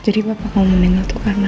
jadi bapak mau meninggal itu karena